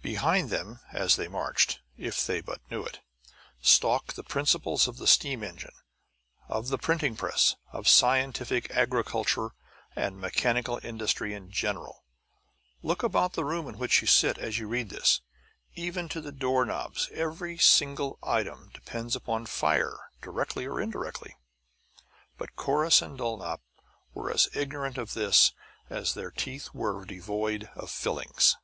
Behind them as they marched, if they but knew it, stalked the principles of the steam engine, of the printing press, of scientific agriculture and mechanical industry in general. Look about the room in which you sit as you read this; even to the door knobs every single item depends upon fire, directly or indirectly! But Corrus and Dulnop were as ignorant of this as their teeth were devoid of fillings.